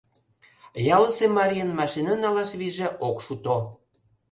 Ялысе марийын машина налаш вийже ок шуто.